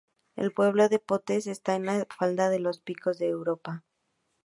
El pueblo de Potes está en la falda de los Picos de Europa